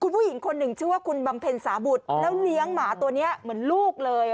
ผู้หญิงคนหนึ่งชื่อว่าคุณบำเพ็ญสาบุตรแล้วเลี้ยงหมาตัวนี้เหมือนลูกเลย